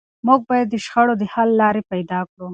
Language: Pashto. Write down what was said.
موږ باید د شخړو د حل لارې پیدا کړو.